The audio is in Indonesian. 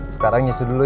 sekarang nyusu dulu ya